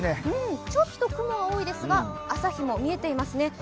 ちょっと雲が多いですが、朝日も見えていますね。